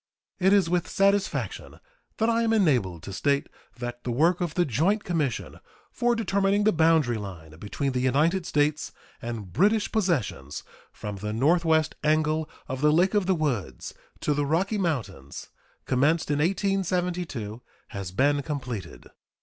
It is with satisfaction that I am enabled to state that the work of the joint commission for determining the boundary line between the United States and British possessions from the northwest angle of the Lake of the Woods to the Rocky Mountains, commenced in 1872, has been completed.